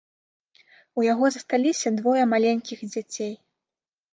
У яго засталіся двое маленькіх дзяцей.